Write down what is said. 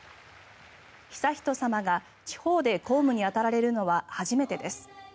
悠仁さまが地方で公務に当たられるのは初めてです。